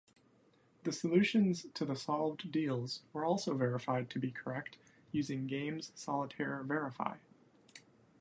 The solutions to the solved deals were also verified to be correct using Games-Solitaire-Verify.